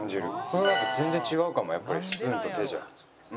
これはやっぱ全然違うかもやっぱりスプーンと手じゃ。